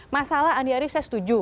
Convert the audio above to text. masalah andi arief saya setuju